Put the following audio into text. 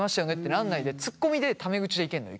なんないでツッコミでタメ口でいけるのよ